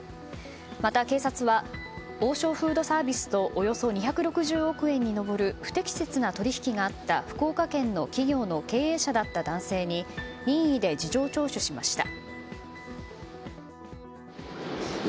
また、警察は王将フードサービスとおよそ２６０億円に上る不適切な取引があった福岡県の企業の経営者だった男性に任意で事情聴取しました。